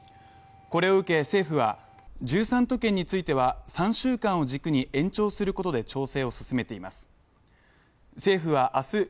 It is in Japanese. これを受け政府は１３都県については３週間を軸に延長することで調整を進めています。